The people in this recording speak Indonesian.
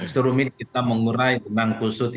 serumit kita mengurai dengan kursus yang memang tidak ada ujian